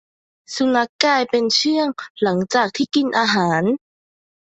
สุนัขกลายเป็นเชื่องหลังจากที่กินอาหาร